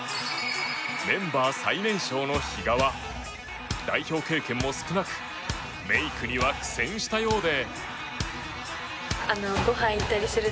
メンバー最年少の比嘉は代表経験も少なくメイクには苦戦したようで。